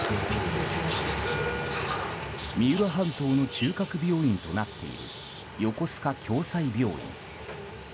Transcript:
三浦半島の中核病院となっている横須賀共済病院。